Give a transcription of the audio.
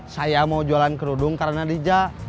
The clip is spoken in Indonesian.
saya mau jualan kerudung karena bijak